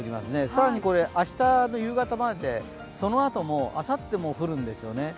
さらにこれは明日の夕方まででそのあともあさっても降るんですよね。